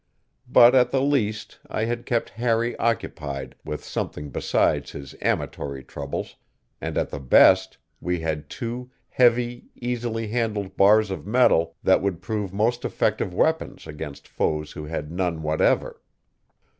But at the least I had kept Harry occupied with something besides his amatory troubles, and at the best we had two heavy, easily handled bars of metal that would prove most effective weapons against foes who had none whatever.